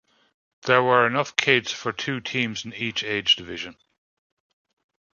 There were enough kids for two teams in each age division.